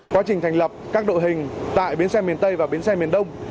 quá trình thành lập các đội hình tại bến xe miền tây và bến xe miền đông